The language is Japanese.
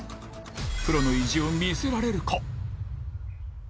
プロの意地を見せられるか？